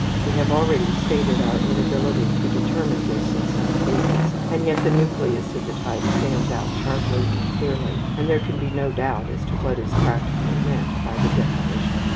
We have already stated our inability to determine this in some cases, and yet the nucleus of the type stands out sharply and clearly, and there can be no doubt as to what is practically meant by the definition.